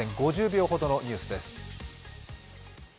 ５０秒ほどのニュースです。